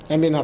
em đi nọp